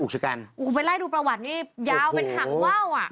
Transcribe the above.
โอ้โหไปไล่ดูประวัติอันนี้ยาวเป็นหังว่าว